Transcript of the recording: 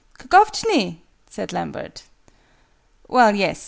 ("Kgovjni," said Lambert.) "Well, yes.